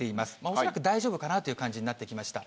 恐らく大丈夫かなという感じになってきました。